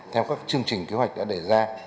theo các chương trình kế hoạch đã để ra